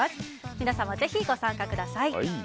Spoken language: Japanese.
皆様、ぜひご参加ください。